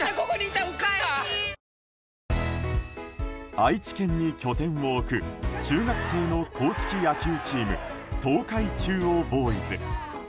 愛知県に拠点を置く中学生の硬式野球チーム東海中央ボーイズ。